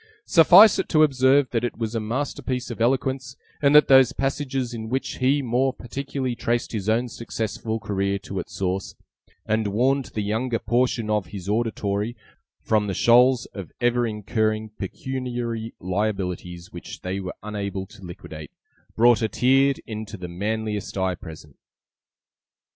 Suffice it to observe, that it was a masterpiece of eloquence; and that those passages in which he more particularly traced his own successful career to its source, and warned the younger portion of his auditory from the shoals of ever incurring pecuniary liabilities which they were unable to liquidate, brought a tear into the manliest eye present.